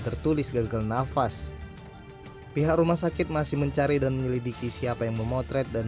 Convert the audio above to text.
tertulis gagal nafas pihak rumah sakit masih mencari dan menyelidiki siapa yang memotret dan